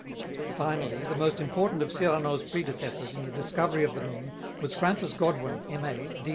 Finally, the most important of Cyrano's predecessors in the discovery of the moon was Francis Godwin, M.A.